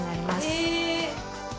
え。